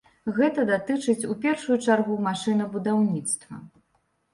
Гэта датычыць у першую чаргу машынабудаўніцтва.